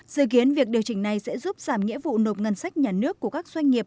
dự kiến việc điều chỉnh này sẽ giúp giảm nghĩa vụ nộp ngân sách nhà nước của các doanh nghiệp